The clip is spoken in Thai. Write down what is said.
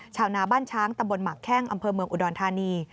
ชาวนาบ้านช้างตำบลหมักแข้งอำเภอเมืองอุดรธานี